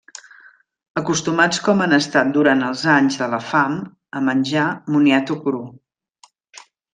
Acostumats com han estat durant els anys de la fam a menjar moniato cru.